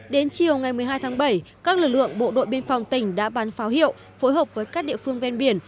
đến chiều ngày một mươi hai tháng bảy các lực lượng bộ đội biên phòng tỉnh đã bán pháo hiệu phối hợp với các địa phương ven biển